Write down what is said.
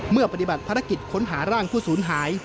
ปฏิบัติภารกิจค้นหาร่างผู้สูญหาย